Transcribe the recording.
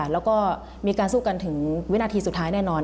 แล้วก็มีการสู้กันถึงวินาทีสุดท้ายแน่นอน